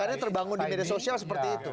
karena terbangun di media sosial seperti itu